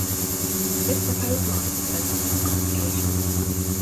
This proposed line presented some complications.